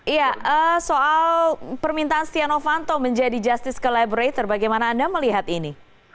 iya soal permintaan setia novanto menjadi justice collaborator bagaimana anda melihat ini